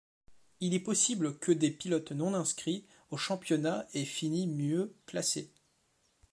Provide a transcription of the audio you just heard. Il est possible que des pilotes non-inscrits au championnat aient fini mieux classés.